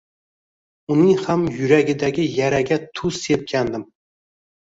Uning ham yuragidagi yaraga tuz sepgandim